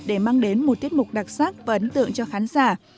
để mang đến một tiết mục đặc sắc và ấn tượng cho khán giả